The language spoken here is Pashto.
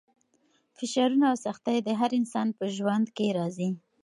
فشارونه او سختۍ د هر انسان په ژوند کې راځي.